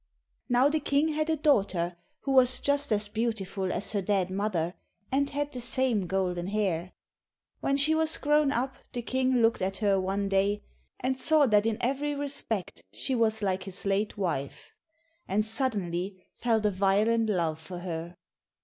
Now the King had a daughter, who was just as beautiful as her dead mother, and had the same golden hair. When she was grown up the King looked at her one day, and saw that in every respect she was like his late wife, and suddenly felt a violent love for her.